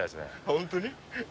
本当に？